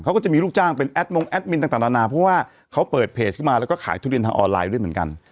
เขาก็จะมีลูกจ้างเป็นแอดมงแอดมินต่างนานาเพราะว่าเขาเปิดเพจขึ้นมาแล้วก็ขายทุเรียนทางออนไลน์ด้วยเหมือนกัน